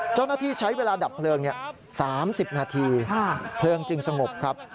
เจ้าหน้าที่ใช้เวลาดับเพลิง๓๐นาทีเพลิงจึงสงบครับ